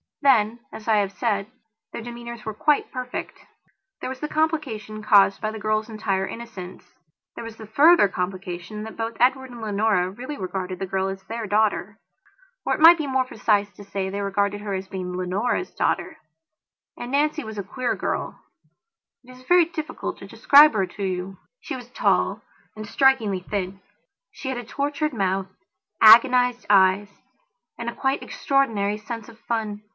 Then, as I have said, their demeanours were quite perfect. There was the complication caused by the girl's entire innocence; there was the further complication that both Edward and Leonora really regarded the girl as their daughter. Or it might be more precise to say that they regarded her as being Leonora's daughter. And Nancy was a queer girl; it is very difficult to describe her to you. She was tall and strikingly thin; she had a tortured mouth, agonized eyes, and a quite extraordinary sense of fun.